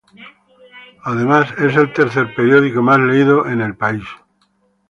Además a nivel del país es el tercer periódico más leído.